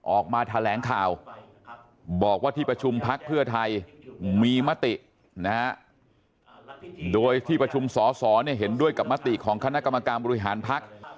ออกมาแถลงข่าวบอกว่าที่ประชุมพักเพื่อไทยมีมตินะฮะโดยที่ประชุมสอสอเห็นด้วยกับมติของคณะกรรมการบริหารพัก